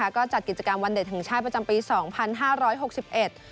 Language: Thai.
ก็จัดกิจกรรมวันเด็กแห่งชาติประจำปีสองพันห้าร้อยหกสิบเอ็ด